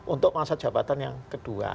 untuk masa jabatan yang kedua